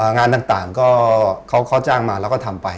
งานต่างก็เขาจ้างมาแล้วก็ทำไป